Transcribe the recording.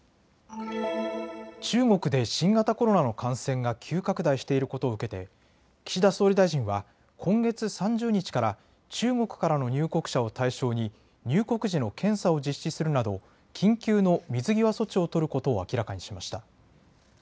中国で新型コロナの感染が急拡大していることを受けて岸田総理大臣は今月３０日から中国からの入国者を対象に入国時の検査を実施するなど緊急の水際措置を取ることを明らかにしました。